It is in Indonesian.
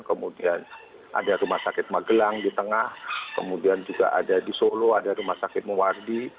kemudian ada rumah sakit magelang di tengah kemudian juga ada di solo ada rumah sakit muwardi